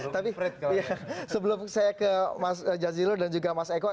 tapi sebelum saya ke mas jazilul dan juga mas eko